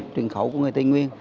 truyền khẩu của người tây nguyên